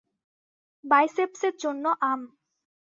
বাইসেপ্সের জন্য আম।